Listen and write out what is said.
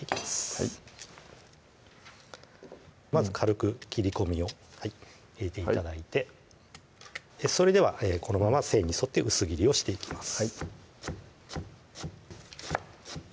はいまず軽く切り込みを入れて頂いてそれではこのまま繊維に沿って薄切りをしていきます